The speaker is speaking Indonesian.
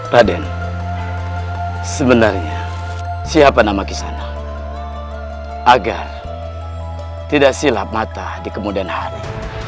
raden sebenarnya siapa nama kisana agar tidak silap mata di kemudian hari